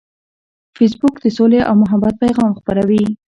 فېسبوک د سولې او محبت پیغام خپروي